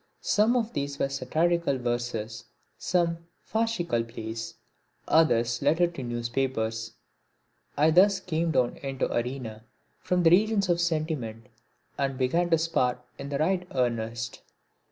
Some of these were satirical verses, some farcical plays, others letters to newspapers. I thus came down into the arena from the regions of sentiment and began to spar in right earnest.